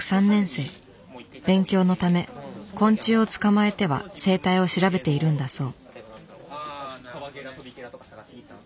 勉強のため昆虫を捕まえては生態を調べているんだそう。